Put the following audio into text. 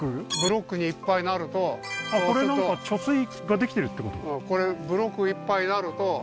うんこれなんか貯水ができてるってこと？